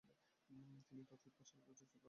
তিনি তাওফিক পাশার কাছে সুদান ত্যাগের দাবি করেন।